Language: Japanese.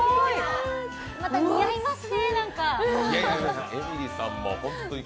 また、似合いますね、本当に。